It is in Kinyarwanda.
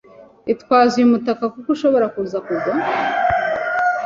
Itwaze uyu mutaka kuko ishobora kuza kugwa